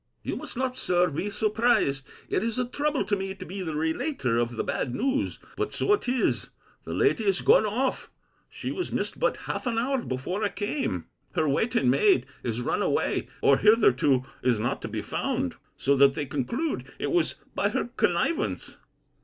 You must not, Sir, be surprised. It is a trouble to me to be the relater of the bad news; but so it is—The lady is gone off! She was missed but half an hour before I came. Her waiting maid is run away, or hitherto is not to be found: so that they conclude it was by her connivance.